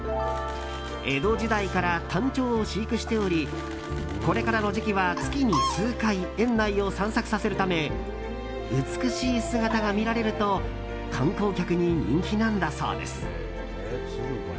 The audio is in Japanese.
江戸時代からタンチョウを飼育しておりこれからの時期は月に数回園内を散策させるため美しい姿が見られると観光客に人気なんだそうです。